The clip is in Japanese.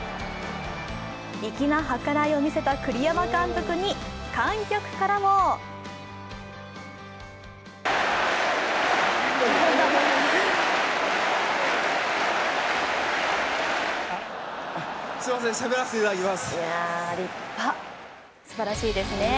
粋な計らいを見せた栗山監督に観客からもすばらしいですね。